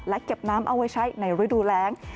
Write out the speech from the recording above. และเก็บน้ำเอาไว้ใช้ในฤดูแรง